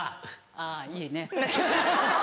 ああいいね。